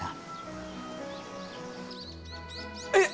えっ！